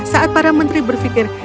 saat para menteri berfikir